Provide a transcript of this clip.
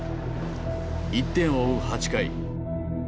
１点を追う８回。